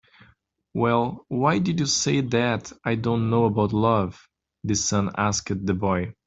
"Well, why did you say that I don't know about love?" the sun asked the boy.